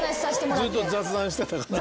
ずっと雑談してたから。